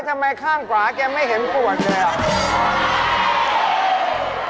ทำไมข้างกว่าแกไม่เห็นปวดเลยอะ